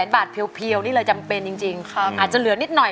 บาทเพียวนี่เลยจำเป็นจริงอาจจะเหลือนิดหน่อย